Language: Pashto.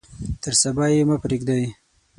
تر صبا یې مه پریږدئ.